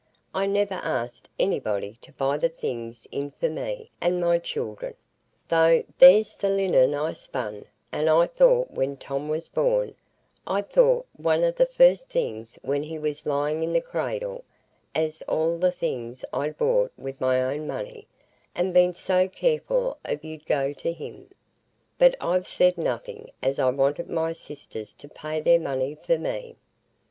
I never asked anybody to buy the things in for me and my children; though there's the linen I spun, and I thought when Tom was born,—I thought one o' the first things when he was lying i' the cradle, as all the things I'd bought wi' my own money, and been so careful of, 'ud go to him. But I've said nothing as I wanted my sisters to pay their money for me.